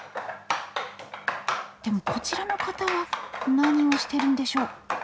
でもこちらの方は何をしてるんでしょう。